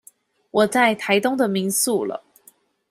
我在台東的民宿了